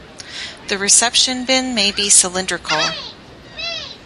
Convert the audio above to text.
The reception bin may be cylindrical.